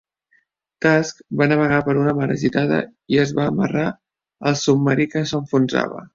"Tusk" va navegar per una mar agitada i es va amarrar al submarí que s"enfonsava.